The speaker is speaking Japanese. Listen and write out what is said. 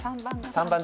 ３番。